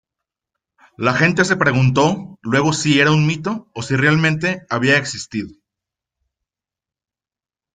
La gente se preguntó luego si era un mito o si realmente había existido.